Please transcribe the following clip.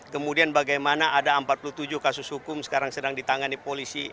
kemudian bagaimana ada empat puluh tujuh kasus hukum sekarang sedang ditangani polisi